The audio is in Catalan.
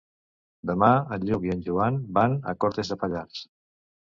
Demà en Lluc i en Joan van a Cortes de Pallars.